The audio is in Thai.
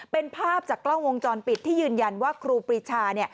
เป็นภาพจากกล้องวงจรปิดที่ยืนยันว่าครูปรีชา